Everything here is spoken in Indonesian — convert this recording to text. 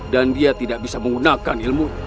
dia tidak bisa menggunakan ilmu